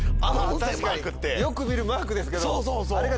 確かによく見るマークですけど。